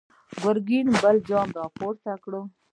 ګرګين بل جام ور پورته کړ!